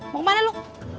mau kemana lo